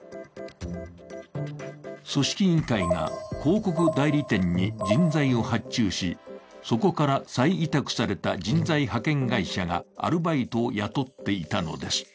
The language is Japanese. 組織委員会が広告代理店に人材を発注し、そこから再委託された人材派遣会社がアルバイトを雇っていたのです。